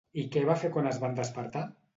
I què va fer quan es van despertar?